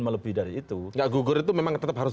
melebih dari itu enggak gugur itu memang tetap harus